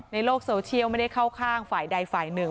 ในโลกโซเชียลไม่ได้เข้าข้างฝ่ายใดฝ่ายหนึ่ง